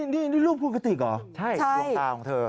นี่รูปพูดกระติกเหรอ